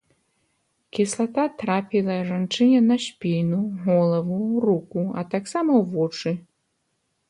Кіслата трапіла жанчыне на спіну, галаву, руку, а таксама ў вочы.